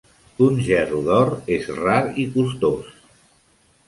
Un gerro d'or és rar i costós.